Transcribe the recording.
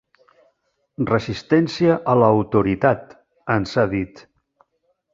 Resistència a l'autoritat, ens ha dit.